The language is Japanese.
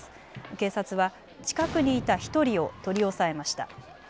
警察は近くにいた１人を取り押さえました。